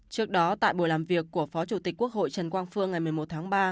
trước đó tại buổi làm việc của phó chủ tịch quốc hội trần quang phương ngày một mươi một tháng ba